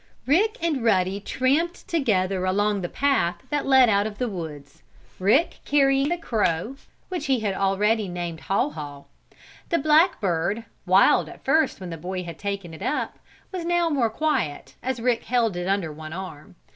Rick and Ruddy tramped together along the path that led out of the woods, Rick carrying the crow, which he had already named Haw Haw. The black bird, wild at first when the boy had taken it up, was now more quiet, as Rick held it under one arm.